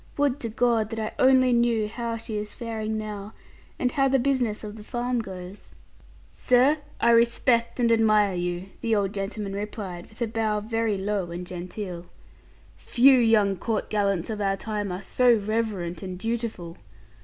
Would to God that I only knew how she is faring now, and how the business of the farm goes!' 'Sir, I respect and admire you,' the old gentleman replied, with a bow very low and genteel; 'few young court gallants of our time are so reverent and dutiful.